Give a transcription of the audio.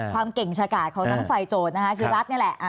ความเก่งชะกาดของทั้งฝ่ายโจทย์นะคะคือรัฐนี่แหละ